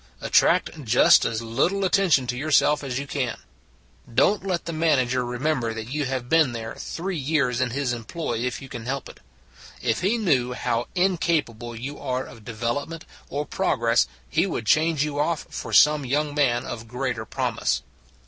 Attract just as little atten tion to yourself as you can. Don t let the man ager remember that you have been three years in his employ if you can help it. If he knew how incapable you are of development or progress he would change you off for some young man of greater promise.